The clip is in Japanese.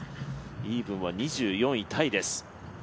イーブンは２４位タイです。